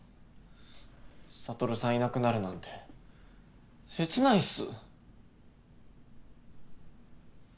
悟さんいなくなるなんて切ないっす。